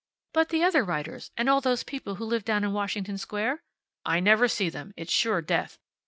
"But the other writers and all those people who live down in Washington Square?" "I never see them. It's sure death.